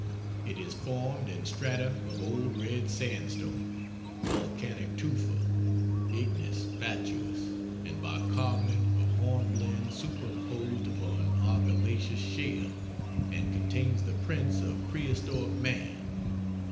It is formed in strata of Old Red Sandstone, volcanic tufa, ignis fatuus, and bicarbonate of hornblende, superimposed upon argillaceous shale, and contains the prints of prehistoric man.